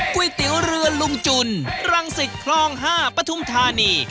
ก๋วยเตี๋ยวเรือลุงจุนรังสิตคลอง๕ปทุมธานี